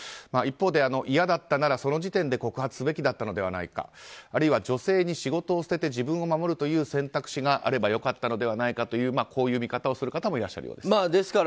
一方で、嫌だったならその時点で告発すべきだったのではないかあるいは、女性に仕事を捨てて自分を守るという選択肢があればよかったのではないかという見方をする方もいらっしゃるようです。